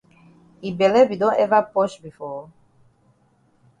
Yi bele be don ever posh before?